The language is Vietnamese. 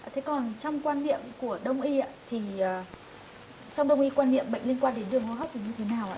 thế còn trong quan niệm của đông y ạ thì trong đông y quan niệm bệnh liên quan đến đường hô hấp thì như thế nào ạ